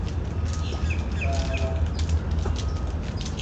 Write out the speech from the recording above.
Faala.